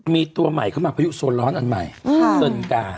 มีตัวใหม่เข้ามาพายุโซนร้อนอันใหม่เซินกา